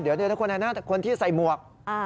เดี๋ยวนะคุณคนที่ใส่หมวก